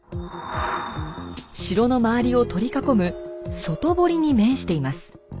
城の周りを取り囲む外堀に面しています。